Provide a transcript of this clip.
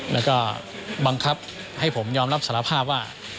แล้วก็บังคับให้ผมยอมรับสารภาพว่า